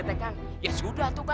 ada pilihan cyberschutz juga